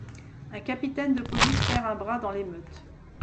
Un capitaine de police perd un bras dans l'émeute.